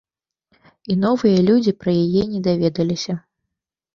І новыя людзі пра яе не даведаліся.